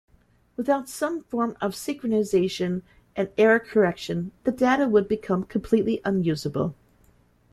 Without some form of synchronization and error correction, the data would become completely unusable.